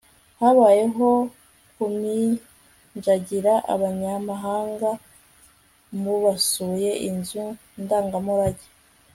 habayeho kuminjagira abanyamahanga mubasuye inzu ndangamurage